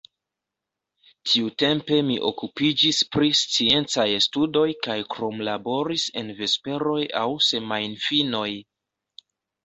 Tiutempe mi okupiĝis pri sciencaj studoj kaj kromlaboris en vesperoj aŭ semajnfinoj.